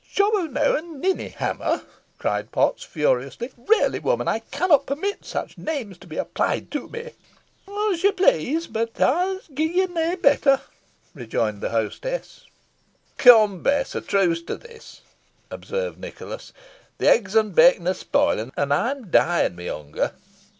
"Jobberknow and ninny hammer," cried Potts, furiously; "really, woman, I cannot permit such names to be applied to me." "Os yo please, boh ey'st gi' ye nah better," rejoined the hostess. "Come, Bess, a truce to this," observed Nicholas; "the eggs and bacon are spoiling, and I'm dying with hunger.